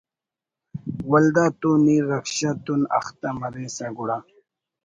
ولدا تو نی رکشہ تون اختہ مریسہ گڑا……